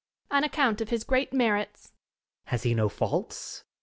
On account of his great merits. Student. Has he no faults?